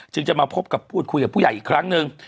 จึงจะมาพบกับพูดคุยกับผู้ใหญ่อีกครั้งหนึ่ง